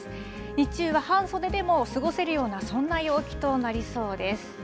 日中は半袖でも過ごせるような、そんな陽気となりそうです。